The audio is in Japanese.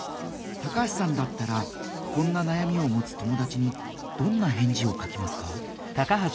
高橋さんだったらこんな悩みを持つ友だちにどんな返事を書きますか？